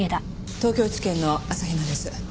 東京地検の朝日奈です。